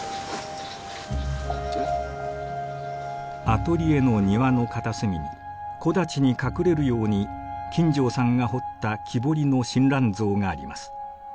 アトリエの庭の片隅に木立に隠れるように金城さんが彫った木彫りの親鸞像があります。